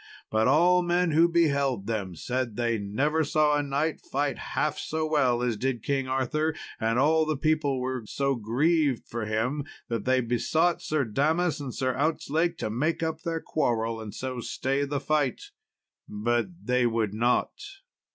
But all men who beheld them said they never saw a knight fight half so well as did King Arthur; and all the people were so grieved for him that they besought Sir Damas and Sir Outzlake to make up their quarrel and so stay the fight; but they would not.